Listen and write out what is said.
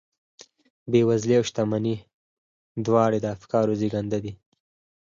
بېوزلي او شتمني دواړې د افکارو زېږنده دي.